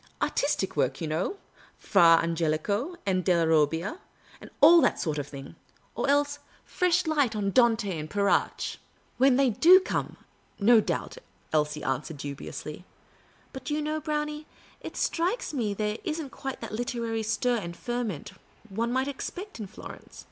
Artistic work, don't you know — Fra Angelico, and Delia Robbia, and all that sort of thing ; or else fresh light on Dante and Petrarch !"" When they do come, no doubt," Elsie answered, du biously. " But do you know, Brownie, it strikes me there is n't quite that literary stir and ferment one might expect in Florence.